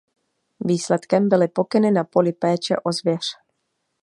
Výsledkem byly pokyny na poli péče o zvěř.